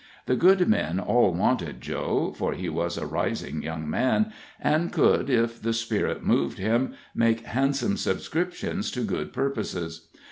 The good men all wanted Joe, for he was a rising young man, and could, if the Spirit moved him, make handsome subscriptions to good purposes.